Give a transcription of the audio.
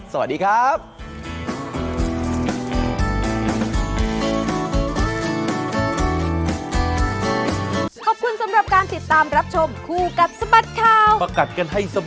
สวัสดีครับ